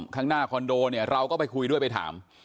ข้างหน้าคอนโดเนี่ยเราก็ไปคุยด้วยไปถาม